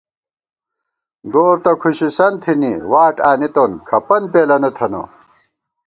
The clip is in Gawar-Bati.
گور تہ کھُشِسن تھنی واٹ آنِتون کھپن پېلَنہ تھنہ